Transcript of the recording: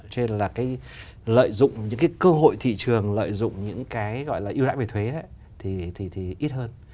cho nên là cái lợi dụng những cái cơ hội thị trường lợi dụng những cái gọi là ưu đãi về thuế thì ít hơn